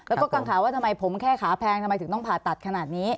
แล้วก็กังขาว่าทำไมผมแค่ขาแพงทำไมถึงต้องผ่าตัดขนาดนี้